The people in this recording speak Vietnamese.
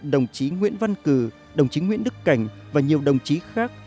đồng chí nguyễn văn cử đồng chí nguyễn đức cảnh và nhiều đồng chí khác